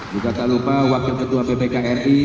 juga tak lupa wakil ketua ppk ri